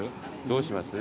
どうします？